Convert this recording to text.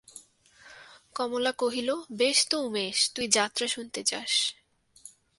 কমলা কহিল, বেশ তো উমেশ, তুই যাত্রা শুনতে যাস।